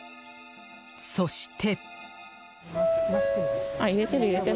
そして。